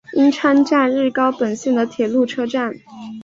鹉川站日高本线的铁路车站。